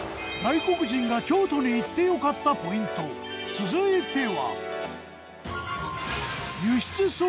続いては。